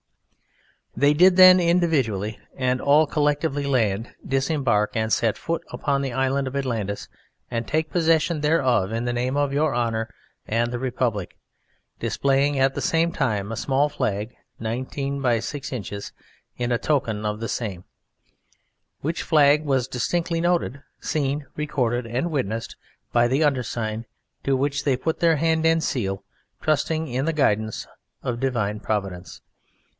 They did then each individually and all collectively land, disembark and set foot upon the Island of Atlantis and take possession thereof in the name of Your Honour and the Republic, displaying at the same time a small flag 19" x 6" in token of the same, which flag was distinctly noted, seen, recorded and witnessed by the undersigned, to which they put their hand and seal, trusting in the guidance of Divine Providence.